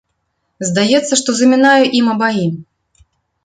Здаецца, што замінаю ім абаім.